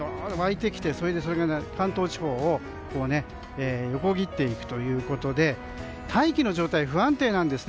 それが関東地方を横切っていくということで大気の状態が不安定なんです。